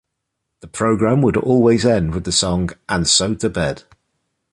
The program would always end with the song "And So To Bed".